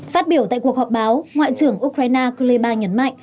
phát biểu tại cuộc họp báo ngoại trưởng ukraine kleba nhấn mạnh